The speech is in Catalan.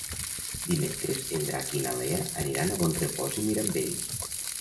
Dimecres en Drac i na Lea aniran a Bonrepòs i Mirambell.